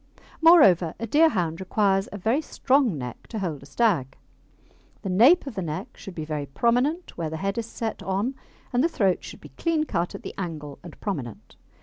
Moreover, a Deerhound requires a very strong neck to hold a stag. The nape of the neck should be very prominent where the head is set on, and the throat should be clean cut at the angle and prominent.